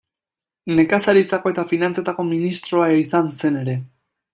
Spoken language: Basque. Nekazaritzako eta finantzetako ministroa izan zen ere.